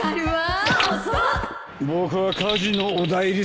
僕は家事の「お代理さま」なんだ。